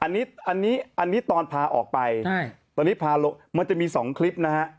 อันนี้อันนี้ตอนพาออกไปตอนนี้พาลงมันจะมี๒คลิปนะฮะ